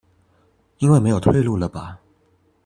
因為沒有退路了吧